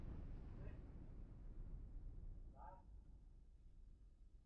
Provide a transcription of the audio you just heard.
明朝官吏。